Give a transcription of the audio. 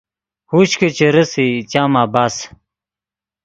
ہوش کہ چے رېسئے چام عبث